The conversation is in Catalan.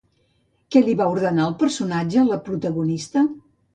Què li va ordenar el personatge a la protagonista?